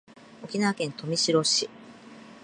沖縄県豊見城市